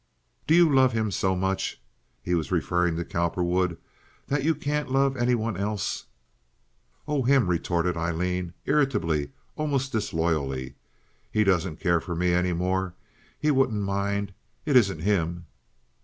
Do you love him so much"—he was referring to Cowperwood—"that you can't love any one else?" "Oh, him!" retorted Aileen, irritably, almost disloyally. "He doesn't care for me any more. He wouldn't mind. It isn't him."